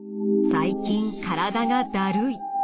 最近体がだるい。